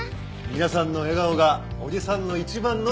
皆さんの笑顔がおじさんの一番の宝物です。